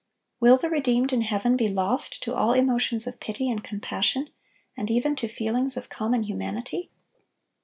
Will the redeemed in heaven be lost to all emotions of pity and compassion, and even to feelings of common humanity?